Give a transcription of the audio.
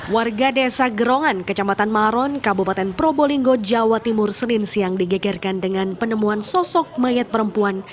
warga desa gerongan kecamatan maron kabupaten probolinggo jawa timur senin siang digegerkan dengan penemuan sosok mayat perempuan